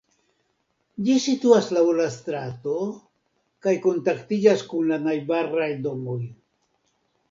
Ĝi situas laŭ la strato kaj kontaktiĝas kun la najbaraj domoj.